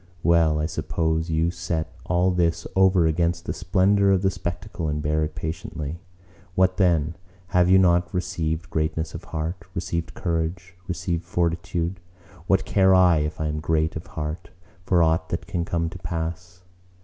Well, I suppose you set all this over against the splendour of the spectacle and bear it patiently. What then? have you not received greatness of heart, received courage, received fortitude? What care I, if I am great of heart, for aught that can come to pass?